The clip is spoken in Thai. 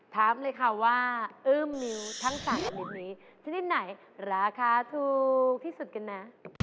ถามเลยค่ะว่าอื้มนิ้วทั้ง๓ชนิดนี้ชนิดไหนราคาถูกที่สุดกันนะ